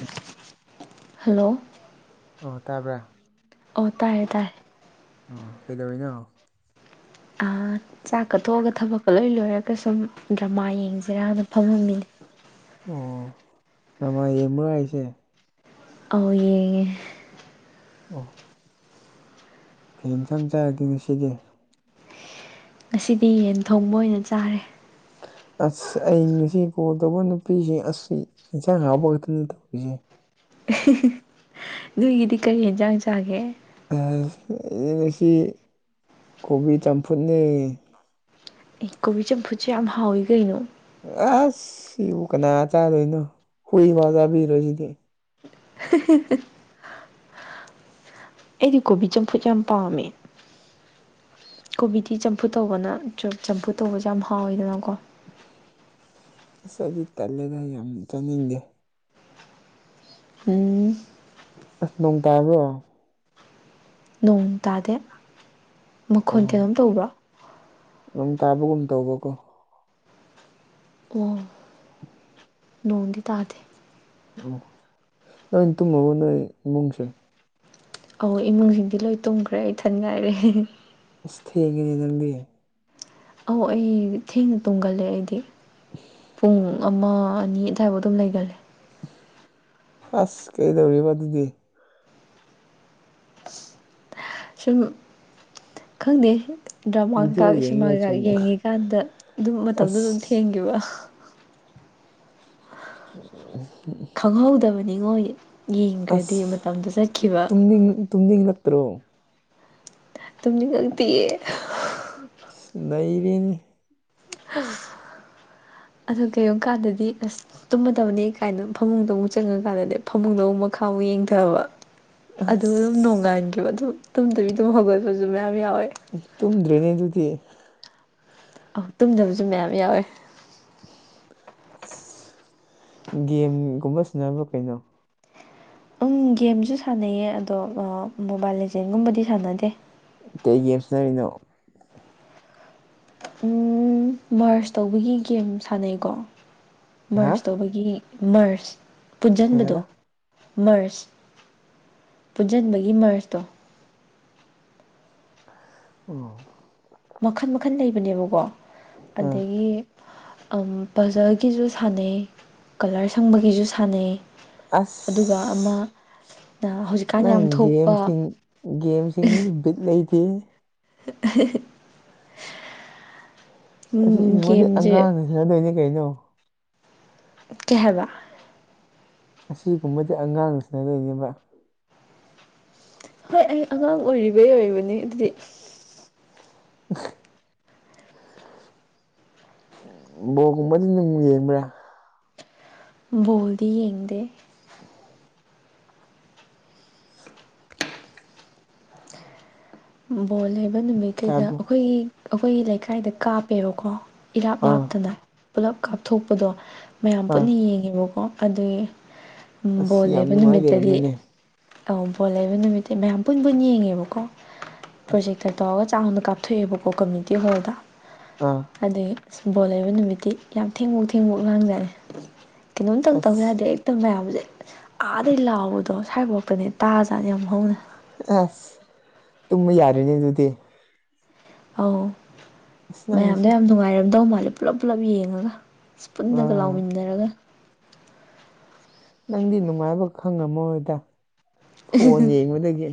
ꯎ ꯍꯜꯂꯣ ꯑꯣ ꯇꯥꯕ꯭ꯔꯥ ꯑꯣ ꯇꯥꯏꯌꯦ ꯇꯥꯏ ꯑꯣ ꯀꯩꯗꯧꯔꯤꯅꯣ ꯆꯥꯛ ꯀꯊꯣꯛꯑꯒ ꯊꯕꯛꯀ ꯂꯣꯏ ꯂꯣꯏꯔꯒ ꯁꯨꯝ ꯗ꯭ꯔꯃꯥ ꯌꯦꯡꯁꯤꯔꯅ ꯐꯝꯃꯝꯃꯤꯅꯦ ꯑꯣ ꯅꯃ ꯑꯦꯃ ꯍꯥꯏꯁꯦ ꯑꯧ ꯌꯦꯡꯉꯦ ꯑꯣ ꯀꯝ ꯆꯪꯖꯔꯒꯦ ꯉꯁꯤꯗꯤ ꯉꯁꯤꯗꯤ ꯌꯦꯟ ꯊꯣꯡꯕ ꯑꯣꯏꯅ ꯆꯥꯔꯦ ꯑꯁ ꯑꯩ ꯉꯁꯤ ꯀꯣꯜ ꯇꯧꯕ ꯅꯨꯄꯤꯁꯤꯡ ꯑꯁ ꯏꯟꯁꯥꯡ ꯍꯥꯞꯄ ꯈꯛꯇꯅꯤ ꯇꯧꯔꯤꯁꯦ꯫ ꯑꯍꯝꯍꯝ ꯅꯣꯏꯒꯤꯗꯤ ꯀꯔꯤ ꯍꯦꯟꯖꯥꯡ ꯆꯥꯒꯦ? ꯑꯁ ꯁꯤ ꯀꯣꯕꯤ ꯆꯝꯐꯨꯠꯅꯤ ꯑꯦ ꯀꯣꯕꯤ ꯆꯝꯐꯨꯠꯁꯦ ꯌꯥꯝ ꯍꯥꯎꯋꯤ ꯀꯩꯅꯣ ꯑꯁ ꯁꯤꯕꯨ ꯀꯅꯥ ꯆꯥꯗꯣꯏꯅꯣ ꯍꯨꯏꯕ ꯆꯥꯕꯤꯔꯣꯏꯁꯤꯅꯦ ꯍꯥ ꯑꯩꯗꯤ ꯀꯣꯕꯤ ꯆꯝꯐꯨꯠ ꯌꯥꯝ ꯄꯥꯝꯃꯦ ꯀꯣꯕꯤꯗꯤ ꯆꯝꯐꯨ ꯇꯧꯕꯅ ꯆꯝꯐꯨ ꯇꯧꯕꯁꯦ ꯌꯥꯝ ꯍꯥꯎꯋꯤꯗꯅꯀꯣ ꯑꯁ ꯑꯗꯨ ꯇꯜꯂꯦꯗ ꯌꯥꯝ ꯆꯅꯤꯡꯗꯦ? ꯎꯝ ꯑꯁ ꯅꯣꯡ ꯇꯥꯕ꯭ꯔꯣ? ꯅꯣꯡ ꯇꯥꯗꯦ ꯃꯈꯣꯟ ꯀꯩꯅꯣꯝ ꯇꯧꯕ꯭ꯔꯣ ꯅꯝ ꯇꯥꯕꯒ ꯎꯟ ꯇꯕꯣ ꯑꯣ ꯅꯣꯡꯗꯤ ꯇꯥꯗꯦ ꯑꯣ ꯅꯣꯏ ꯇꯨꯝꯃꯕ ꯅꯣꯏ ꯏꯃꯨꯡꯁꯤꯡ ꯑꯧ ꯏꯃꯨꯡꯁꯤꯡꯗꯤ ꯂꯣꯏ ꯇꯨꯝꯈ꯭ꯔꯦ ꯑꯩ ꯊꯟ ꯉꯥꯏꯔꯦ ꯑꯁ ꯊꯦꯡꯉꯤꯅꯦ ꯅꯪꯗꯤ ꯑꯧ ꯑꯩ ꯊꯦꯡꯅ ꯇꯣꯡꯒꯜꯂꯦ ꯑꯩꯗꯤ ꯄꯨꯡ ꯄꯨꯡ ꯑꯃ ꯑꯅꯤ ꯑꯗꯨꯋꯥ ꯐꯥꯎ ꯑꯗꯨꯝ ꯂꯩꯒꯜꯂꯦ ꯑꯁ! ꯀꯩꯗꯧꯔꯤꯕ ꯑꯗꯨꯗꯤ ꯁꯨꯝ ꯈꯪꯗꯦ ꯗ꯭ꯔꯃꯥ ꯀꯩꯀꯥ ꯚꯤꯗꯤꯑꯣ ꯁꯤꯅꯦꯃꯥ ꯌꯦꯡꯉꯤꯔ ꯀꯩꯀꯥ ꯆꯨꯝꯅ ꯌꯦꯡꯉꯤꯀꯥꯟꯗ ꯑꯗꯨꯝ ꯃꯇꯝꯗꯣ ꯑꯗꯨꯝ ꯑꯁ ꯊꯦꯡꯈꯤꯕ ꯍꯥ ꯎꯝ ꯈꯪꯍꯧꯗꯕꯅꯤꯉꯣ ꯌꯦꯡꯈ꯭ꯔꯗꯤ ꯑꯁ ꯃꯇꯝꯗꯨ ꯆꯠꯈꯤꯕ꯫ ꯇꯨꯝꯅꯤꯡ ꯇꯨꯝꯅꯤꯡꯂꯛꯇ꯭ꯔꯣ꯫ ꯇꯨꯝꯅꯤꯡ ꯉꯛꯇꯤꯌꯦ꯫ ꯅꯩꯔ‌ꯦꯅ‌ꯦ꯫ ꯑꯗꯨ ꯀꯩꯒꯨꯝꯕ ꯀꯥꯟꯗꯗꯤ ꯑꯁ꯫ ꯇꯨꯝꯃꯗꯕꯅꯦ ꯀꯥꯏꯅ ꯐꯃꯨꯡꯗ ꯑꯃꯨꯛ ꯆꯪꯉꯀꯥꯟꯗꯗꯤ ꯐꯃꯨꯡꯗ ꯑꯃꯨꯛ ꯃꯈꯥ ꯑꯃꯨꯛ ꯌꯦꯡꯊꯕ꯫ ꯑꯗꯨ ꯑꯗꯨꯝ ꯑꯁ ꯅꯣꯡꯉꯥꯟꯈꯤꯕ ꯑꯗꯨꯝ ꯇꯨꯝ ꯇꯕꯤ ꯑꯗꯨꯝ ꯍꯧꯒꯠꯄꯁꯨ ꯃꯌꯥꯝ ꯌꯥꯎꯋꯦ꯫ ꯑꯦ ꯇꯨꯝꯗ꯭ꯔꯦꯅꯦ ꯑꯗꯨꯗꯤ꯫ ꯑꯧ ꯇꯨꯝꯗꯕꯁꯨ ꯃꯌꯥꯝ ꯌꯥꯎꯋꯦ꯫ ꯒꯦꯝꯒꯨꯝꯕ ꯁꯥꯟꯅꯕ꯭ꯔꯣ ꯀꯩꯅꯣ? ꯎꯝ ꯒꯦꯝꯁꯨ ꯁꯥꯟꯅꯩꯌꯦ ꯑꯗꯣ ꯃꯣꯕꯥꯏꯜ ꯂꯦꯖꯦꯟꯒꯨꯝꯕꯗꯤ ꯁꯥꯟꯅꯗꯦ ꯇꯇꯩ ꯦꯝꯁꯅꯃꯤꯅꯣ [unintelligible] ꯍꯝ ꯃꯥꯁ ꯇꯧꯕꯒꯤ ꯒꯦꯝ ꯁꯥꯟꯅꯩꯀꯣ ꯍꯥ ꯃꯥꯁ ꯇꯧꯕꯒꯤ ꯃꯔꯁ ꯀꯩ ꯄꯨꯟꯁꯤꯟꯕꯗꯣ ꯍꯥꯏꯕ ꯃꯔꯁ ꯄꯨꯟꯁꯤꯟꯕꯒꯤ ꯃꯔꯁꯇꯣ ꯎ ꯃꯈꯟ ꯃꯈꯟ ꯂꯩꯕꯅꯦꯕꯀꯣ ꯑꯥ ꯑꯗꯒꯤ ꯑꯄꯖꯜꯒꯤꯁꯨ ꯁꯥꯟꯅꯩ, ꯀꯂꯔ ꯁꯪꯕꯒꯤꯁꯨ ꯁꯥꯟꯅꯩ꯫ ꯑꯗꯨꯒ ꯑꯃ꯫ ꯑꯁ ꯅꯪ ꯒꯦꯝꯁꯤꯡ ꯒꯦꯝꯁꯤꯡꯁꯤ ꯕꯤꯠ ꯂꯩꯇꯦꯍ‌ꯦ꯫ ꯎꯝ ꯒꯦꯝꯖ‌ꯦ꯫ ꯐꯥꯖꯗꯣꯏꯅꯦ ꯀꯩꯅꯣ꯫ ꯀꯩ ꯍꯥꯏꯕ꯫ ꯑꯁꯤꯒꯨꯝꯕꯗꯤ ꯑꯉꯥꯡꯅ ꯁꯥꯟꯅꯗꯣꯏꯅꯦꯕ꯫ ꯍꯣꯏ ꯑꯩ ꯑꯉꯥꯡ ꯑꯣꯏꯔꯤꯕꯩ ꯑꯣꯏꯕꯅꯤ ꯑꯗꯨꯗꯤ꯫ [unintelligible] ꯕꯣꯜꯒꯨꯝꯕꯗꯤ ꯑꯗꯨꯝ ꯌꯦꯡꯕ꯭ꯔꯥ꯫ ꯕꯣꯜꯗꯤ ꯌꯦꯡꯗꯦ꯫ ꯕꯣꯜ ꯂꯩꯕ ꯅꯨꯃꯤꯠ ꯀꯩꯗ ꯀꯥꯕꯨ ꯑꯩꯈꯣꯏꯒꯤ ꯑꯩꯈꯣꯏꯒꯤ ꯂꯩꯀꯥꯏꯗ ꯀꯥꯞꯄꯦꯕꯀꯣ꯫ ꯏꯔꯥꯞ ꯑꯥ ꯂꯥꯞꯇꯅ ꯄꯨꯂꯞ ꯀꯥꯞꯊꯣꯛꯄꯗꯣ ꯃꯌꯥꯝ ꯑꯥ ꯄꯨꯟꯅ ꯌꯦꯡꯉꯦꯕꯀꯣ꯫ ꯑꯗꯨꯒꯤ ꯑꯁ ꯕꯣꯜ ꯌꯥꯝ ꯂꯩꯕ ꯅꯨꯡꯉꯥꯏ ꯅꯨꯃꯤꯠꯇꯗꯤ꯫ ꯂꯩꯔꯝꯃꯤꯅꯦ ꯑꯪ ꯕꯣꯜ ꯂꯩꯕ ꯅꯨꯃꯤꯠꯇ ꯃꯌꯥꯝ ꯄꯨꯟ ꯄꯨꯟ ꯌꯦꯡꯉꯦꯕꯀꯣ ꯄ꯭ꯔꯣꯖꯦꯛꯇ ꯇꯧꯔꯒ ꯆꯥꯎꯅ ꯀꯥꯞꯊꯣꯛꯑꯦꯕꯀꯣ ꯀꯝꯃ꯭ꯌꯇꯤ ꯍꯣꯜꯗ꯫ ꯑꯥ꯫ ꯑꯗꯤꯒꯤ ꯕꯣꯜ ꯂꯩꯕ ꯅꯨꯃꯤꯠꯇꯤ ꯌꯥꯝ ꯊꯦꯡꯕꯣꯛ ꯊꯦꯡꯕꯣꯛ ꯂꯥꯡꯖꯥꯠꯅꯤ꯫ ꯀꯩꯅꯣꯝꯇꯪ ꯇꯧ ꯑꯁ ꯌꯥꯗꯦ ꯍꯦꯛꯇ ꯃꯌꯥꯝꯁꯦ ꯑꯥꯗꯩ ꯂꯥꯎꯕꯗꯣ ꯁ꯭ꯋꯥꯏꯐꯥꯎ ꯄꯅꯦ ꯇꯥꯖꯥꯠꯅꯤ ꯌꯥꯝ ꯍꯧꯅ꯫ ꯑꯦꯐ꯫ ꯇꯨꯝꯕ ꯌꯥꯔꯦꯅꯤ ꯑꯗꯨꯗꯤ꯫ ꯑꯧ ꯑꯁ ꯃꯌꯥꯝꯗꯣ ꯅꯪꯁꯤ ꯌꯥꯝ ꯅꯨꯡꯉꯥꯏꯔꯝꯗꯧ ꯃꯥꯜꯂꯦ ꯄꯨꯂꯞ ꯄꯨꯂꯞ ꯌꯦꯡꯉꯒ꯫ ꯑꯁ ꯄꯨꯟꯅꯒ ꯑꯥ ꯂꯥꯎꯃꯤꯟꯅꯔꯒ꯫ ꯅꯪꯗꯤ ꯅꯨꯡꯉꯥꯏꯕ ꯈꯪꯉꯝꯃꯣꯏꯗ ꯐꯣꯟ ꯌꯦꯡꯕꯗꯒꯤ꯫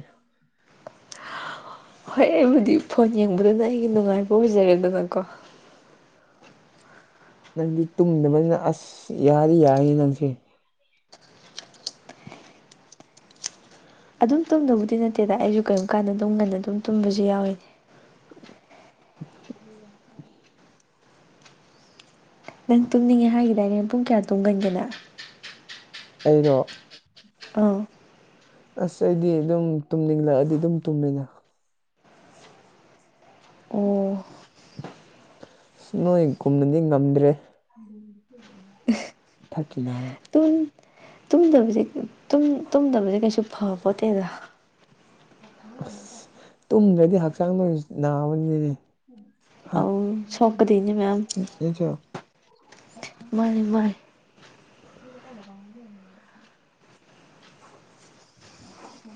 ꯍꯣꯏ ꯑꯩꯕꯨꯗꯤ ꯐꯣꯟ ꯌꯦꯡꯕꯗꯨꯅ ꯑꯩꯒꯤ ꯅꯨꯡꯉꯥꯏꯕ ꯑꯣꯏꯖꯔꯦꯗꯅꯀꯣ꯫ ꯅꯪꯗꯤ ꯇꯨꯝꯗꯕꯅꯤꯅ ꯑꯁ ꯌꯥꯗꯤ ꯌꯥꯏꯌꯦ ꯅꯪꯁꯦ꯫ [inaudible] ꯑꯗꯨꯝ ꯇꯨꯝꯗꯕꯨꯗꯤ ꯅꯠꯇꯦꯗ ꯑꯩꯁꯨ ꯀꯔꯤꯒꯨꯝꯕ ꯀꯥꯟꯗ ꯑꯗꯨꯝ ꯉꯟꯅ ꯑꯗꯨꯝ ꯇꯨꯝꯕꯁꯨ ꯌꯥꯎꯋꯤ꯫ [inaudible] ꯅꯪ ꯇꯨꯝꯅꯤꯡꯉꯦ ꯍꯥꯏꯈꯤꯗꯥꯏꯅꯦ ꯄꯨꯡ ꯀꯌꯥ ꯇꯨꯝꯒꯟꯒꯦꯅꯪ꯫ ꯑꯩꯔꯣ꯫ ꯑꯧ꯫ ꯑꯁ ꯑꯩꯗꯤ ꯑꯗꯨꯝ ꯇꯨꯝꯅꯤꯡꯂꯛꯑꯗꯤ ꯑꯗꯨꯝ ꯇꯨꯝꯃꯤꯅ ꯑꯣ ꯑꯁ ꯅꯣꯏ ꯀꯨꯝꯅꯗꯤ ꯉꯝꯗ꯭ꯔꯦ [inaudible] ꯊꯥꯔꯇꯤ ꯅꯥꯏꯟ ꯇꯨꯟ ꯇꯨꯝꯗꯕꯁꯦ ꯇꯨꯝꯇꯨꯝꯗꯕꯁꯦ ꯀꯩꯁꯨ ꯐꯄꯣꯠꯇꯦꯗ꯫ ꯑꯁ ꯇꯨꯝꯗ꯭ꯔꯗꯤ ꯍꯛꯆꯥꯡꯗ ꯅꯥꯕꯅꯤꯅꯦ ꯍꯥ ꯑꯧ ꯁꯣꯛꯀꯗꯣꯏꯅꯦ ꯃꯌꯥꯝ [unintelligible] ꯃꯥꯅꯤ ꯃꯥꯅꯤ꯫ [inaudible]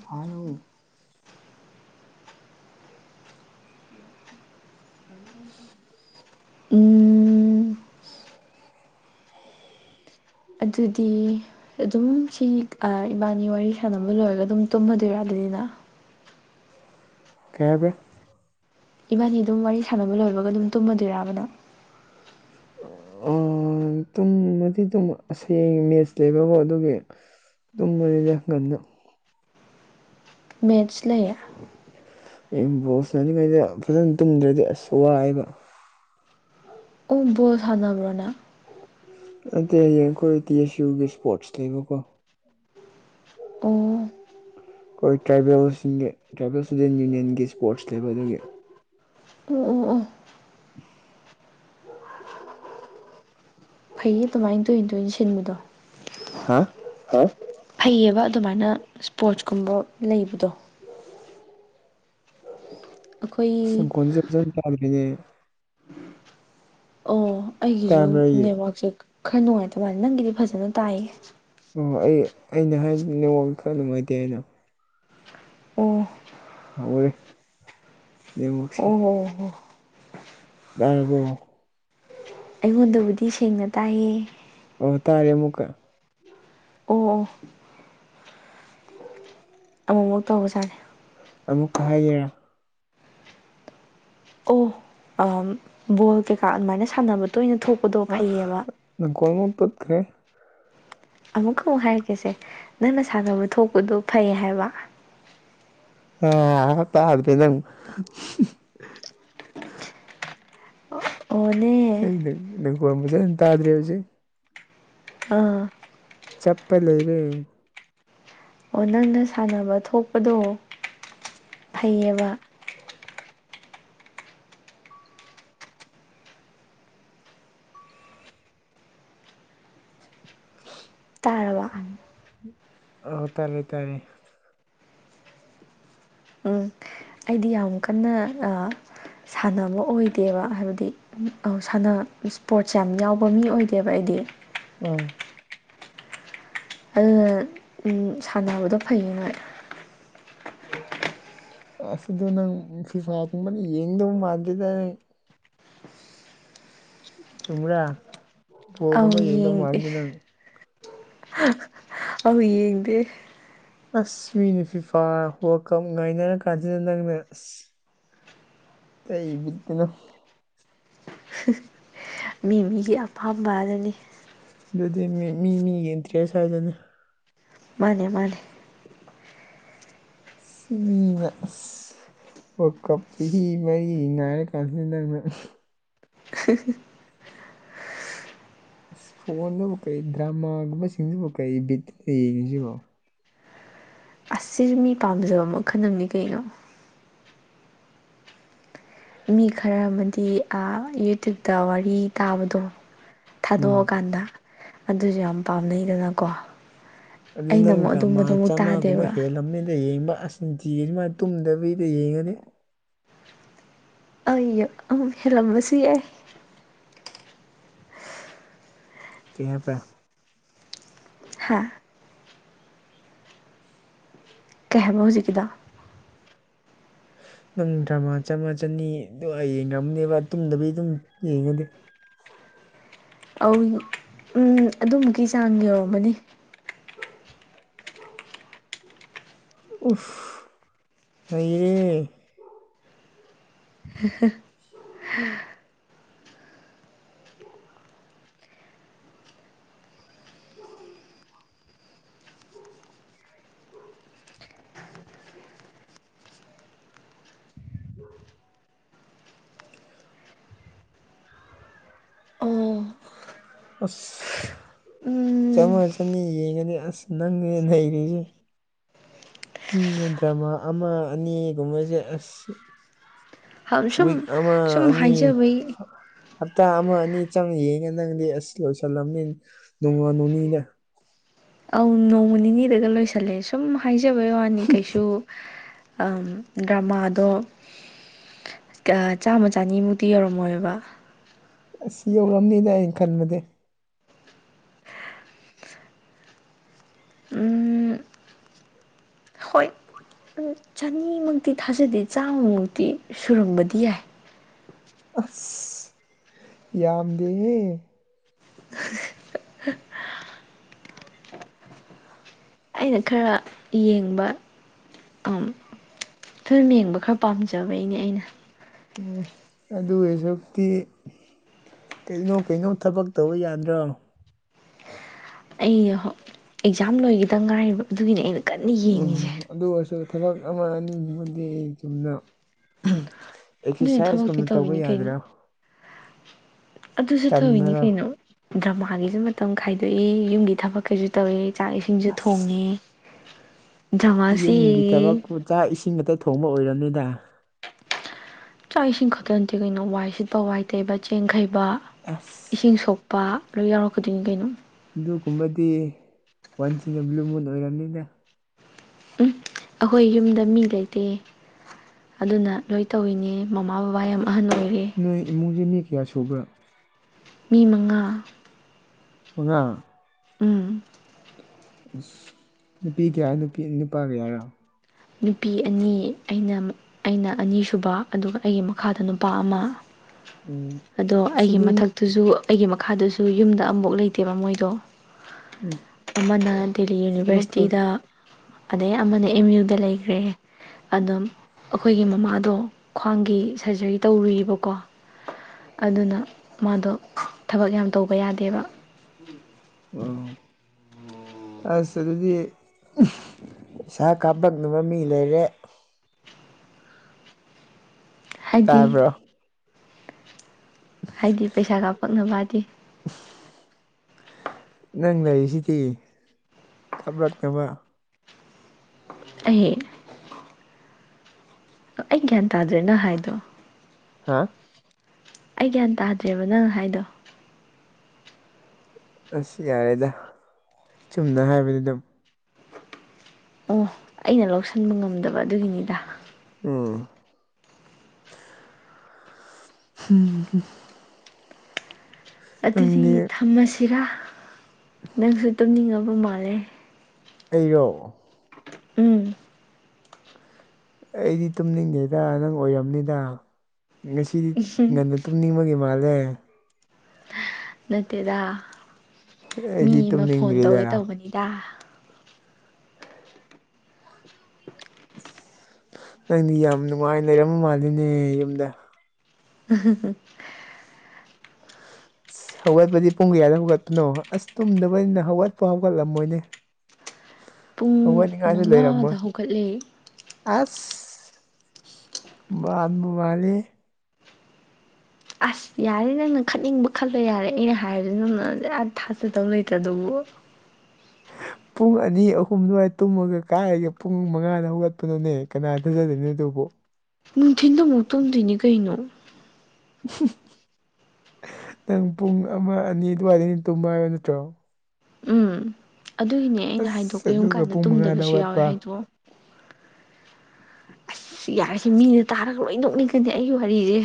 ꯍꯥꯜꯂꯣ꯫ ꯪ [inaudible] ꯎꯝ꯫ [inaudible] ꯑꯗꯨꯗꯤ꯫ ꯑꯗꯨꯝ ꯁꯤ ꯏꯕꯥꯅꯤ ꯋꯥꯔꯤ ꯁꯥꯟꯅꯕ ꯂꯣꯏꯔꯒ ꯑꯗꯨꯝ ꯇꯨꯝꯃꯗꯣꯏꯔꯥ ꯑꯗꯨꯗꯤ ꯅꯪ꯫ ꯀꯩ ꯍꯥꯏꯕꯔ꯫ ꯏꯕꯥꯅꯤ ꯑꯗꯨꯝ ꯋꯥꯔꯤ ꯁꯥꯟꯅꯕ ꯂꯣꯏꯕꯒ ꯑꯗꯨꯝ ꯇꯨꯝꯃꯗꯣꯏꯔꯕ ꯅꯪ [inaudible] ꯎꯝ ꯇꯨꯝꯃꯗꯤ ꯇꯨꯝ ꯑꯁꯤ ꯍꯌ‌ꯦꯡ ꯃꯦꯠꯆ ꯂꯩꯕ ꯑꯗꯨꯒꯤ ꯇꯨꯝꯃꯅꯤꯗ ꯉꯟꯅ ꯃꯦꯠꯁ ꯂꯩꯌꯦ꯫ ꯍꯌ‌ꯦꯡ ꯕꫭꯜ ꯁꯥꯟꯅ ꯅꯤꯉꯥꯏꯅ ꯐꯖꯅ ꯇꯨꯝꯗ꯭ꯔꯗꯤ ꯑꯁ ꯋꯥꯏꯌꯦꯕ ꯑꯣꯕꯣꯜ ꯁꯥꯟꯅꯕ꯭ꯔꯣ ꯅꯪ ꯑꯇꯩ ꯍꯌꯦꯡ ꯑꯩꯈꯣꯏ ꯇꯤ ꯑꯦꯁ ꯌꯨꯒꯤ ꯏꯁꯄꯣꯔꯠꯁ ꯂꯩꯕꯀꯣ ꯑꯣ ꯑꯩꯈꯣꯏ ꯇ꯭ꯔꯥꯏꯕꯦꯜꯁꯤꯡꯒꯤ ꯇ꯭ꯔꯥꯏꯕꯦꯜ ꯏꯁꯇꯨꯗꯦꯟ ꯌꯨꯅꯤꯌꯟꯒꯤ ꯁ꯭ꯄꯣꯔꯠꯁ ꯂꯩꯕ ꯑꯗꯨꯒꯤ ꯎ ꯑꯣ ꯑꯣ [inaudible] ꯐꯩꯌꯦ ꯑꯗꯨꯃꯥꯏꯅ ꯇꯣꯏꯅ ꯇꯣꯏꯅ ꯁꯤꯟꯕꯗꯣ ꯍꯥ ꯑꯣ ꯐꯩꯌꯦꯕ ꯑꯗꯨꯃꯥꯏꯅ ꯏꯁ꯭ꯄꯣꯔꯠꯁ ꯀꯨꯝꯕ ꯂꯩꯕꯗꯣ ꯑꯩꯈꯣꯏ [unintelligible] ꯑꯣ ꯑꯩꯒꯤꯁꯨ ꯇꯥꯕ꯭ꯔꯥ ꯑꯩꯒꯤ ꯅꯦꯠꯋꯥꯔꯛꯁꯦ ꯈꯔ ꯅꯨꯡꯉꯥꯏꯇꯕ ꯃꯜꯂꯦ ꯅꯪꯒꯤꯗꯤ ꯐꯖꯅ ꯇꯥꯏꯌꯦ ꯑꯣ ꯑꯩ ꯑꯩꯅ ꯍꯥꯏ ꯅꯉꯣꯟ ꯈꯔ ꯅꯨꯡꯉꯥꯏꯇꯦ ꯍꯥꯏꯅ ꯑꯣ ꯍꯧꯒꯔꯦ ꯅꯣꯠꯋꯥꯔꯛꯁꯦ ꯑꯣ ꯍꯣ ꯇꯥꯔꯕꯣ ꯑꯩꯉꯣꯟꯗꯕꯨꯗꯤ ꯁꯦꯡꯅ ꯇꯥꯏꯌꯦ ꯑꯣ ꯇꯥꯔꯦ ꯑꯃꯨꯛꯀ ꯑꯣ ꯑꯣ ꯑꯃꯨꯛ ꯑꯃꯨꯛ ꯇꯧꯕ ꯁꯥꯥꯔꯦ ꯑꯃꯨꯛꯀ ꯍꯥꯏꯌꯦ ꯑꯣ ꯑꯝ ꯕꯣꯜ ꯀꯩꯀꯥ ꯑꯗꯨꯃꯥꯏꯅ ꯁꯥꯟꯅꯕ ꯇꯣꯏꯅ ꯊꯣꯛ ꯑ ꯅꯪ ꯀꯣꯜ ꯑꯃꯨꯛ ꯇꯠꯈ꯭ꯔꯦ ꯑꯃꯨꯛꯀ ꯑꯃꯨꯛ ꯍꯥꯏꯔꯛꯀꯦꯁꯦ ꯅꯪꯅ ꯁꯥꯟꯅꯕ ꯊꯣꯛꯄꯗꯣ ꯐꯩ ꯍꯥꯏꯕ ꯑ ꯇꯥꯗ꯭ꯔꯦ ꯅꯪ ꯑꯣꯂꯦ ꯀꯩꯅ ꯅꯈꯣꯜ ꯐꯖꯅ ꯇꯥꯗ꯭ꯔꯦ ꯍꯧꯖꯤꯛ ꯑꯥ ꯆꯞꯄ ꯂꯩꯔꯦ ꯑꯣ ꯅꯪꯅ ꯁꯥꯟꯅꯕ ꯊꯣꯛꯄꯗꯣ ꯐꯩꯌꯦꯕ ꯇꯥꯔꯕ ꯑꯣ ꯇꯔꯦ ꯇꯔꯦ ꯎꯝ ꯑꯩꯗꯤ ꯌꯥꯝ ꯀꯟꯅ ꯁꯥꯟꯅꯕ ꯑꯣꯏꯗꯦꯕ ꯍꯥꯏꯕꯗꯤ ꯑ ꯁꯥꯟꯅ ꯏꯁꯄꯣꯔꯠꯁ ꯌꯥꯝ ꯌꯥꯎꯕ ꯃꯤ ꯑꯣꯏꯗꯦꯕ ꯑꯩꯗꯤ ꯎꯝ ꯑꯗꯨꯅ ꯁꯥꯟꯅꯕꯗꯣ ꯐꯩꯌꯦ ꯅꯣꯏ ꯑꯁꯤꯗꯣ ꯅꯪ ꯐꯤꯐꯥ ꯀꯨꯝꯕꯗꯤ ꯌꯦꯡꯗꯧ ꯃꯥꯟꯗꯔ꯭ꯦꯗ ꯅꯪ ꯆꯨꯝꯔꯥ ꯑꯧ ꯐꯣꯜꯒꯨꯝꯕ ꯌꯦꯡꯗꯧ ꯌꯦꯡꯗꯦ ꯃꯥꯟꯗꯦ ꯅꯪ ꯑꯧ ꯌꯦꯡꯗꯦ ꯑꯁ ꯃꯤꯅ ꯐꯤꯐꯥ ꯋꯥꯔ꯭ꯜ ꯀꯞ ꯉꯥꯏꯅꯔ ꯀꯥꯟꯁꯤꯗ ꯅꯪꯅ ꯑꯁ ꯀꯩꯕꯤꯠꯇꯅꯣ ꯃꯤ ꯃꯤꯒꯤ ꯑꯄꯥꯝꯕ ꯑꯗꯨꯅꯤ ꯑꯗꯨꯗꯤ ꯃꯤ ꯃꯤ ꯃꯤꯒꯤ ꯏꯟꯇ꯭ꯔꯦꯁ ꯍꯥꯢꯗꯨꯅꯤ ꯃꯥꯅꯦ ꯃꯥꯅꯦ ꯁꯤꯕꯤꯅ ꯑꯁ [unintelligible] ꯑꯣ ꯀꯞ ꯆꯍꯤ ꯃꯔꯤ ꯉꯥꯏꯔ ꯀꯥꯟꯁꯤ ꯅꯪ [unintelligible] ꯐꯣꯟꯗꯕꯨ ꯀꯩ ꯗ꯭ꯔꯃꯥꯒꯨꯝꯕꯁꯤꯡꯁꯤꯕꯨ ꯀꯩ ꯕꯤꯠ ꯂꯩꯅꯤꯁꯤꯕꯣ ꯑꯁꯤ ꯁꯤꯁꯨ ꯃꯤ ꯄꯥꯝꯖꯕ ꯃꯈꯜ ꯑꯃꯅꯤ ꯀꯩꯅꯣ ꯃꯤ ꯈꯔ ꯑꯃꯗꯤ ꯑ ꯌꯨꯇ꯭ꯌꯨꯕꯇ ꯋꯥꯔꯤ ꯇꯥꯕꯗꯣ ꯎꯝ ꯊꯥꯗꯣꯛꯑꯀꯥꯟꯗ ꯑꯗꯨꯁꯨ ꯌꯥꯝ ꯄꯥꯝꯅꯩꯗꯅꯀꯣ ꯑꯗꯨꯗꯤ ꯅꯪ ꯑꯩꯅ ꯑꯃꯨꯛ ꯗ꯭ꯔꯃꯥ ꯑꯗꯨꯝꯕꯗꯣ ꯑꯃꯨꯛ ꯆꯥꯝꯃꯥꯒꯨꯝꯕ ꯇꯥꯗꯦꯕ ꯍꯦꯜꯂꯝꯅꯤꯗ ꯌꯦꯡꯕ ꯑꯁ ꯅꯨꯡꯇꯤꯒꯤ ꯑꯗꯨꯃꯥꯏ ꯇꯨꯝꯗꯕꯤꯗ ꯌꯦꯡꯉꯗꯤ ꯑꯩ ꯑꯍꯝ ꯍꯦꯜꯂꯝꯕꯁꯨ ꯌꯥꯏ [unintelligible] ꯍꯥꯥ ꯀꯩ ꯍꯥꯏꯕ ꯍꯧꯖꯤꯛꯀꯤꯗꯣ ꯅꯪ ꯗ꯭ꯔꯃꯥ ꯆꯥꯝꯃ ꯆꯅꯤ ꯑꯗꯨ ꯍꯌꯦꯡ ꯉꯝꯅꯦꯕ ꯇꯨꯝꯗꯕꯤ ꯑꯗꯨꯝ ꯌꯦꯡꯉꯗꯤ ꯑꯧ ꯎꯝ ꯑꯗꯨꯃꯨꯛꯀꯤ ꯆꯥꯡ ꯌꯧꯔꯝꯃꯅꯤ ꯎꯐ ꯑꯩꯔꯦ [unintelligible] ꯑꯝ ꯎ ꯑꯣ ꯑꯁ ꯎꯝ ꯆꯥꯝꯃꯉ ꯆꯅꯤ ꯌꯦꯡꯉꯅꯤ ꯑꯁ ꯅꯪꯅꯦ ꯅꯩꯔꯤꯖꯦ ꯃꯤꯅ ꯗ꯭ꯔꯃꯥ ꯑꯃ ꯑꯅꯤꯒꯨꯝꯕꯁꯦ ꯑꯁ ꯋꯤꯛ ꯁꯨꯝ ꯑꯃ ꯁꯨꯝ ꯑꯅꯤ ꯍꯥꯏꯖꯕꯩ ꯍꯞꯇꯥ ꯑꯃ ꯑꯅꯤ ꯆꯪꯉ ꯌꯦꯡꯉꯦ ꯅꯪꯗꯤ ꯑꯁ ꯂꯣꯏꯁꯜꯂꯝꯅꯤꯅꯦ ꯅꯣꯡꯃ ꯅꯣꯅꯤꯗ ꯑꯧ ꯅꯣꯡꯃ ꯅꯤꯅꯤꯗꯒ ꯂꯣꯏꯁꯤꯜꯂꯦ ꯁꯨꯝ ꯍꯥꯏꯖꯕꯩ ꯋꯥꯅꯤ ꯀꯩꯁꯨ ꯑꯝ ꯗ꯭ꯔꯃꯥꯗꯣ ꯀ ꯆꯥꯝꯃ ꯆꯅꯤꯃꯨꯛꯇꯤ ꯌꯧꯔꯝꯃꯣꯏꯕ ꯑꯁ ꯌꯧꯔꯝꯅꯤꯅ ꯑꯩꯅ ꯈꯟꯕꯗꯤ ꯎꯝ ꯗꯨꯃꯛꯇꯤ ꯊꯥꯖꯗꯦ ꯆꯥꯝꯃꯃꯨꯛꯇꯤ ꯁꯨꯔꯝꯕꯗꯤ ꯌꯥꯏ ꯑꯁ ꯌꯥꯝꯗꯦꯍꯦ ꯑꯩꯅ ꯈꯔ ꯌꯦꯡꯕ ꯐꯤꯂꯝ ꯌꯦꯡꯕ ꯈꯔ ꯄꯥꯝꯖꯕꯩꯅꯦ ꯑꯩꯅ ꯑꯣ ꯑꯗꯨ ꯑꯣꯏꯖꯨꯛꯇꯤ ꯀꯩꯅꯣ ꯀꯩꯅꯣ ꯊꯕꯛ ꯇꯧꯕ ꯌꯥꯗ꯭ꯔꯣ ꯑꯩꯩꯌꯣꯍꯣ ꯑꯦꯛꯖꯥꯝ ꯂꯣꯏꯒꯤꯗ ꯉꯥꯏꯔꯤꯕ ꯑꯗꯨꯒꯤꯅꯦ ꯑꯩꯅ ꯀꯟꯅ ꯌꯦꯡꯉꯤꯖꯦ ꯎꯝ ꯑꯗꯨ ꯑꯣꯏꯔꯁꯨ ꯊꯕꯛ ꯑꯃ ꯑꯅꯤꯗꯨꯃꯗꯤ ꯆꯨꯝꯅ ꯑꯗꯨꯗꯤ ꯊꯕꯛꯇꯤ ꯑꯦꯛꯁꯔꯁꯥꯏꯁꯀꯨꯝꯕ ꯇꯧꯕ ꯇꯧꯋꯤꯅꯤ ꯀꯩꯅꯣ ꯌꯥꯗ꯭ꯔꯣ ꯑꯗꯨꯁꯨ ꯇꯧꯋꯤꯅꯤ ꯇꯟꯕꯔꯣ ꯀꯩꯅꯣ ꯗ꯭ꯔꯃꯥꯒꯤꯁꯨ ꯃꯇꯝ ꯈꯥꯏꯗꯣꯛꯏ ꯌꯨꯝꯒꯤ ꯊꯕꯛ ꯀꯩꯁꯨ ꯇꯧꯋꯦ ꯆꯥꯛ ꯏꯁꯤꯡꯁꯨ ꯑꯁ ꯊꯣꯡꯉꯦ ꯗ꯭ꯔꯃꯥꯁꯨ ꯌꯨꯝꯒꯤ ꯌꯦꯡꯉꯦ ꯊꯕꯛꯄꯨ ꯆꯥꯛ ꯏꯁꯤꯡ ꯑꯇ ꯊꯣꯡꯕ ꯑꯣꯏꯔꯝꯅꯤꯗ ꯆꯥꯛ ꯏꯁꯤꯡ ꯈꯛꯇ ꯅꯠꯇꯦ ꯀꯩꯅꯣ ꯋꯥꯏ ꯁꯤꯠꯄ ꯋꯥꯏ ꯇꯩꯕ ꯆꯦꯡ ꯈꯩꯕ ꯑꯁ ꯏꯁꯤꯡ ꯁꯣꯛꯄ ꯂꯣꯏ ꯌꯥꯎꯔꯛꯀꯗꯣꯏꯅꯤ ꯀꯩꯅꯣ ꯑꯗꯨꯒꯨꯝꯕꯗꯤ ꯋꯥꯟꯁꯤꯅ ꯕ꯭ꯂꯨ ꯃꯨꯟ ꯑꯣꯏꯔꯕꯅꯤꯅ ꯎꯝ ꯑꯈꯣꯏ ꯌꯨꯝꯗ ꯃꯤ ꯂꯩꯇꯦ ꯑꯗꯨꯅ ꯂꯣꯏ ꯇꯧꯏꯤꯅꯦ ꯃꯃꯥ ꯕꯕꯥ ꯌꯥꯝ ꯑꯍꯟ ꯑꯣꯏꯔꯦ ꯅꯣꯏ ꯏꯃꯨꯡꯖꯦ ꯃꯤ ꯀꯌꯥ ꯁꯨꯕ꯭ꯔꯥ ꯃꯤ ꯃꯉꯥ ꯃꯉꯥ ꯎꯝ ꯑꯁ ꯅꯨꯄꯤ ꯀꯌꯥ ꯅꯨꯄꯤ ꯅꯨꯄꯥ ꯀꯌꯥꯔꯣ ꯅꯨꯄꯤ ꯑꯅꯤ ꯑꯩꯅ ꯑꯩꯅ ꯑꯅꯤꯁꯨꯕ ꯑꯗꯨꯒ ꯑꯩꯒꯤ ꯃꯈꯥꯗ ꯅꯨꯄꯥ ꯑꯃ ꯑꯣ ꯑꯗꯣ ꯑꯁ ꯑꯩꯒꯤ ꯑꯗꯨ ꯃꯊꯛ ꯑꯗꯨꯁꯨ ꯑꯩꯒꯤ ꯃꯈꯥꯗꯁꯨ ꯌꯨꯝꯗ ꯑꯝꯕꯧ ꯂꯩꯇꯦꯕ ꯃꯣꯏꯗꯣ ꯎꯝ ꯑꯃꯅ ꯗꯦꯜꯂꯤ ꯊꯕꯛ ꯇꯧꯔꯁꯤ ꯌꯨꯅꯤꯚꯔꯁꯤꯇꯤꯗ ꯑꯗꯩ ꯑꯃꯅ ꯑꯦꯝ ꯌꯨ ꯗ ꯂꯩꯈ꯭ꯔꯦ ꯑꯗꯨꯝ ꯑꯩꯈꯣꯏꯒꯤ ꯃꯃꯥꯗꯣ ꯈ꯭ꯋꯥꯡꯒꯤ ꯁꯔꯖꯔꯤ ꯇꯧꯔꯨꯕꯀꯣ ꯑꯗꯨꯅ ꯃꯥꯗꯣ ꯊꯕꯛ ꯌꯥꯝ ꯇꯧꯕ ꯌꯥꯗꯦꯕ ꯎꯝ ꯑꯁ ꯑꯗꯨꯗꯤ ꯄꯩꯁꯩꯥ ꯀꯥꯞꯄꯛꯅꯕ ꯃꯤ ꯂꯩꯔꯦ ꯍꯥꯏꯗꯤ ꯇꯥꯕ꯭ꯔꯣ ꯍꯥꯏꯗꯤ ꯄꯩꯁꯥ ꯀꯥꯞꯄꯛꯅꯕꯗꯤ ꯅꯪꯅ ꯑꯩꯁꯤꯗꯤ ꯀꯥꯞꯂꯛꯅꯕ ꯑ ꯑꯩ ꯒ꯭ꯌꯥꯟ ꯇꯥꯗ꯭ꯔꯦꯅ ꯍꯥꯏꯗꯣ ꯍꯥꯥ ꯑꯩ ꯒ꯭ꯌꯥꯟ ꯇꯥꯗ꯭ꯔꯦꯕ ꯅꯪ ꯍꯥꯏꯗꯣ ꯑꯁ ꯌꯥꯔꯦꯗ ꯆꯨꯝꯅ ꯍꯥꯏꯕꯗꯤ ꯑꯗꯨꯝ ꯑꯣ ꯑꯩꯅ ꯂꯧꯁꯟꯕ ꯉꯝꯗꯕ ꯑꯗꯨꯒꯤꯅꯤꯗ ꯎꯝ ꯍꯝꯝ ꯑꯗꯨꯗꯤ ꯅꯪꯗꯤ ꯊꯝꯃꯁꯤꯔꯥ ꯅꯪꯁꯨ ꯇꯨꯝꯅꯤꯡꯉꯕ ꯃꯥꯜꯂꯦ ꯑꯩꯌꯣ ꯎꯝ ꯑꯩꯗꯤ ꯇꯨꯝꯅꯤꯡꯉꯦꯗ ꯅꯪ ꯑꯣꯏꯔꯝꯅꯤꯗ ꯉꯁꯤꯗꯤ ꯉꯟꯅ ꯇꯨꯝꯅꯤꯡꯕꯒꯤ ꯃꯥꯜꯂꯦ ꯅꯠꯇꯦꯗ ꯃꯤ ꯑꯩꯗꯤ ꯑꯃ ꯐꯣꯟ ꯇꯨꯝꯅꯤꯡꯗ꯭ꯔꯤꯗ ꯇꯧꯒꯦ ꯇꯧꯕꯅꯤꯗ ꯅꯪꯗꯤ ꯌꯥꯝ ꯅꯨꯡꯉꯥꯏ ꯂꯩꯔꯝꯃ ꯃꯥꯜꯂꯤꯅꯦ ꯌꯨꯝꯗ ꯎꯝ ꯑꯁ ꯍꯧꯒꯠꯄꯗꯤ ꯄꯨꯡ ꯀꯌꯥꯗ ꯍꯧꯒꯠꯄꯅꯣ ꯑꯁ ꯇꯨꯝꯗꯕꯅꯤꯅ ꯍꯧꯒꯠꯄ ꯍꯧꯒꯠꯂꯝꯃꯣꯏꯅꯦ ꯄꯨꯡ ꯍꯧꯒꯠꯅꯤꯡꯉꯥꯏꯁꯨ ꯂꯩꯔꯝꯃꯣꯏ ꯃꯉꯥꯗ ꯍꯧꯒꯠꯂꯦ ꯑꯁ ꯃꯥꯟꯕꯨ ꯃꯥꯜꯂꯤ ꯍꯦ ꯑꯁ ꯌꯥꯔꯦ ꯅꯪꯅ ꯈꯠꯅꯤꯡꯕ ꯈꯜꯂꯣ ꯌꯥꯔꯦ ꯑꯩꯅ ꯍꯥꯏꯕꯗꯤ ꯅꯪꯅ ꯑꯥ ꯊꯥꯖꯗꯧ ꯂꯩꯇ꯭ꯔ ꯗꯨꯕꯨ [unintelligible] ꯄꯨꯡ ꯑꯅꯤ ꯑꯍꯨꯝ ꯑꯗꯨꯋꯥꯏ ꯇꯨꯝꯃꯒ ꯀꯥꯏꯔꯒ ꯄꯨꯡ ꯃꯉꯥꯗ ꯍꯧꯒꯠꯄꯅꯣꯅꯦ ꯀꯅꯥ ꯊꯖꯗꯣꯏꯅꯣ ꯑꯗꯨꯕꯨ ꯅꯨꯡꯊꯤꯟꯗ ꯑꯃꯨꯛ ꯇꯝꯗꯣꯏꯅꯤ ꯀꯩꯅꯣ ꯅꯪ ꯄꯨꯡ ꯑꯃ ꯑꯅꯤ ꯑꯗꯨꯋꯥꯏꯗꯒꯤ ꯇꯨꯝꯕ ꯍꯥꯏꯕ ꯅꯠꯇ꯭ꯔꯣ ꯎꯝ ꯑꯗꯨꯒꯤꯅꯦ ꯑꯩꯅ ꯍꯥꯏꯗꯣ ꯑꯁ ꯀꯔꯤꯒꯨꯝꯕ ꯑꯗꯨꯒ ꯀꯥꯟꯗ ꯄꯨꯡ ꯃꯉꯥꯗ ꯇꯨꯝꯗꯕꯁꯨ ꯌꯥꯎꯋꯦ ꯍꯧꯒꯠꯄ ꯍꯥꯏꯗꯣ ꯑꯁ ꯌꯥꯔꯁꯤ ꯃꯤꯅ ꯇꯥꯔꯒ ꯂꯣꯏ ꯅꯣꯛꯅꯤꯡꯒꯅꯤ ꯑꯩꯒꯤ ꯋꯥꯔꯤꯁꯦ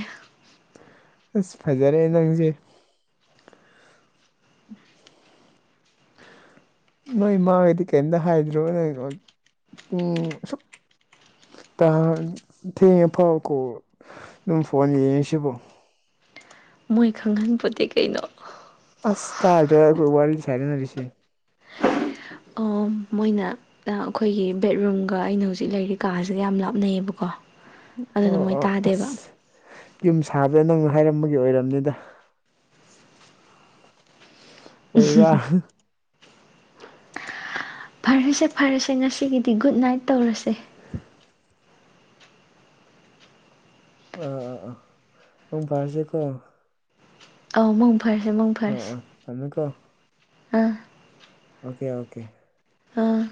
ꯑꯁ ꯐꯖꯔꯦ ꯅꯪꯁꯦ ꯅꯣꯏ ꯏꯃꯥꯈꯩꯗꯤ ꯀꯩꯝꯇ ꯍꯥꯏꯗ꯭ꯔꯣ ꯅ ꯎꯝ ꯊꯦꯡꯉꯦ ꯐꯥꯎꯀꯣ ꯑꯗꯨꯝ ꯐꯣꯟ ꯌꯦꯡꯉꯤꯁꯤꯕꯣ ꯃꯣꯏ ꯈꯪꯍꯟꯄꯣꯟꯇꯦ ꯀꯩꯅꯣ ꯑꯁ ꯇꯥꯔ ꯋꯥ ꯁꯔꯅ ꯂꯤꯁꯦ ꯑꯣ ꯃꯣꯏꯅ ꯑꯩꯈꯣꯏꯒꯤ ꯕꯦꯠꯔꯨꯝꯒ ꯑꯩꯅ ꯍꯧꯖꯤꯛ ꯂꯩꯔꯤ ꯀꯥꯁꯤꯒ ꯌꯥꯝ ꯂꯥꯞꯅꯩꯌꯦꯕꯀꯣ ꯑꯗꯨꯗ ꯑꯣ ꯃꯣꯏ ꯑꯣ ꯇꯥꯗꯦꯕ ꯑꯁ ꯌꯨꯝ ꯁꯥꯕꯗ ꯅꯪꯅ ꯍꯥꯏꯔꯝꯕꯒꯤ ꯑꯣꯏꯔꯕꯅꯤꯗ ꯑꯣꯏ ꯐꯔꯁꯦ ꯐꯔꯁꯦ ꯉꯁꯤꯒꯤꯗꯤ ꯒꯨꯗ ꯅꯥꯏꯠ ꯇꯧꯔꯁꯦ ꯑꯥ ꯑꯥ ꯑꯥ ꯃꯪ ꯐꯔꯁꯦꯀꯣ ꯑꯥꯎ ꯃꯪ ꯐꯔꯁꯦ ꯑꯥ ꯐꯔꯁꯦ ꯑꯥ ꯊꯥꯝꯃꯦꯀꯣ ꯑꯥ ꯑꯣꯀꯦ ꯑꯣꯀꯦ ꯑꯥꯝ